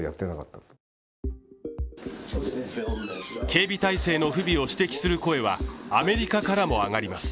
警備態勢の不備を指摘する声はアメリカからも上がります。